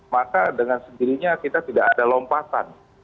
maka dengan sendirinya kita tidak ada lompatan